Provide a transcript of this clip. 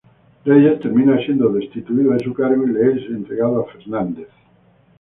Reyes, termina siendo destituido de su cargo y le es entregado a Fernández.